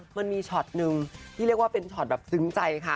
มันมีช็อตนึงที่เรียกว่าเป็นช็อตแบบซึ้งใจค่ะ